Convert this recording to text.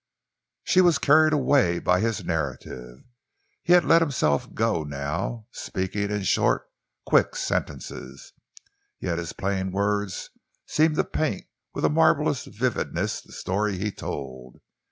She was carried away by his narrative. He had let himself go now, speaking in short, quick sentences. Yet his plain words seemed to paint with a marvellous vividness the story he told.